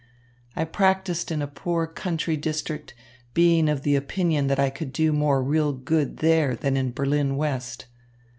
I practised in a poor country district, being of the opinion that I could do more real good there than in Berlin West.